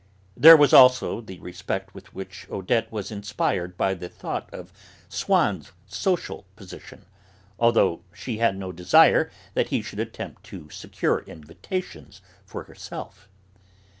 There was also the respect with which Odette was inspired by the thought of Swann's social position, although she had no desire that he should attempt to secure invitations for herself.